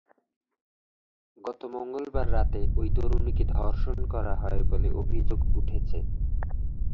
গত মঙ্গলবার রাতে ওই তরুণীকে ধর্ষণ করা হয় বলে অভিযোগ উঠেছে।